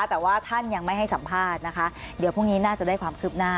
แต่ว่าท่านยังไม่ให้สัมภาษณ์นะคะเดี๋ยวพรุ่งนี้น่าจะได้ความคืบหน้า